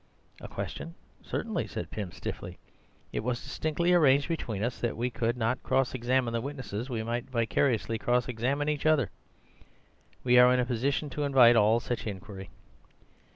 "A question? Certainly," said Pym stiffly. "It was distinctly arranged between us that as we could not cross examine the witnesses, we might vicariously cross examine each other. We are in a position to invite all such inquiry."